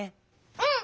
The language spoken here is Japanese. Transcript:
うん！